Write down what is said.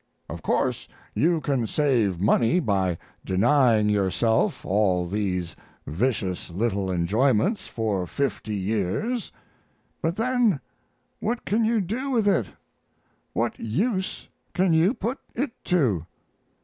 Of course you can save money by denying yourself all these vicious little enjoyments for fifty years; but then what can you do with it? What use can you put it to?